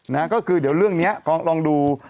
นะฮะก็คือเดี๋ยวเรื่องนี้ลองดู